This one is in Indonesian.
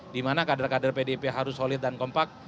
dimana kader kader pdip harus solid dan kompak